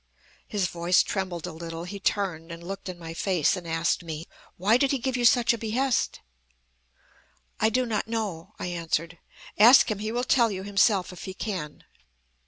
"His voice trembled a little. He turned, and looked in my face, and asked me: 'Why did he give you such a behest?' "'I do not know,' I answered. 'Ask him! He will tell you himself, if he can.'